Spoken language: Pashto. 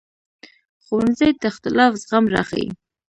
ښوونځی د اختلاف زغم راښيي